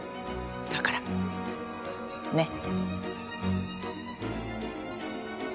だからねっ。